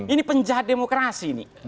ini penjahat demokrasi ini